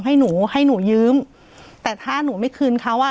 ให้หนูให้หนูยืมแต่ถ้าหนูไม่คืนเขาอ่ะ